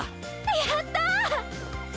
やった！